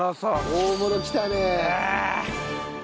大物きたね。